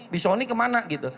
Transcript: pisau ini kemana